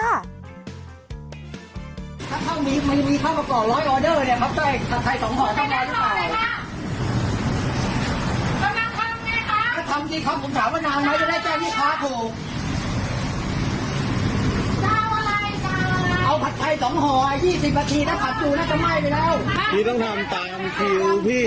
พี่ต้องทำตามพี่ต้องใจเย็นเย็นไม่ได้พี่ไม่ต้องไม่ได้ไม่ได้คุยกับพี่